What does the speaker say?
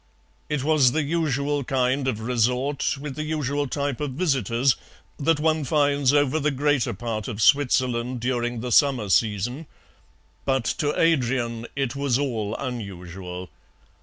It was the usual kind of resort, with the usual type of visitors, that one finds over the greater part of Switzerland during the summer season, but to Adrian it was all unusual.